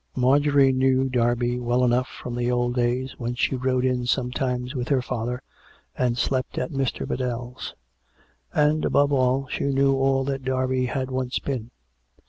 Marjorie knew Derby well enough from the old days when she rode in sometimes with her father and slept at Mr. Biddell's; and, above all, she knew all that Derby had once been.